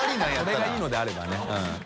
修譴いいのであればね。